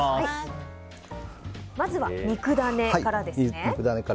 まずは肉ダネからですね。